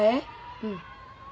うん。